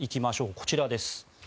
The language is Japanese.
こちらです。